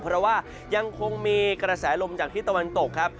เพราะว่ายังคงมีกระแสลมจากที่ตะวันตกครับ